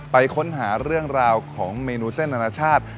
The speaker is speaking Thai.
ไปค้นหาเรื่องราวของเมนูเส้นอนาชาติ